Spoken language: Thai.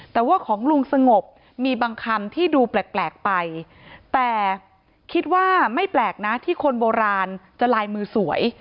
แต่ว่าของลุงสงบมีบางคำที่ดูแปลกไปแต่คิดว่าไม่แปลกนะที่คนโบราณจะลายมือสวย